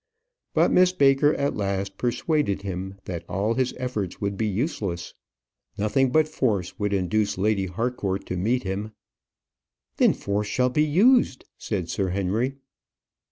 But Miss Baker at last persuaded him that all his efforts would be useless. Nothing but force would induce Lady Harcourt to meet him. "Then force shall be used," said Sir Henry.